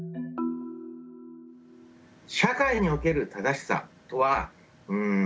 社会における「正しさ」とはん